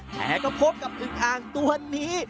แต่ก็พบกับอึงอ่างตัวนี้